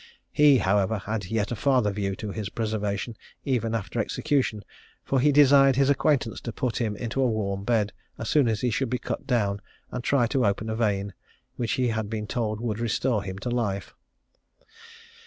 He, however, had yet a farther view to his preservation even after execution; for he desired his acquaintance to put him into a warm bed as soon as he should be cut down, and to try to open a vein, which he had been told would restore him to life.